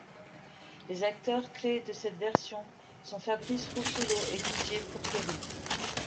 Les acteurs clés de cette version sont Fabrice Rousselot et Didier Pourquery.